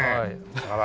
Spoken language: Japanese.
あら。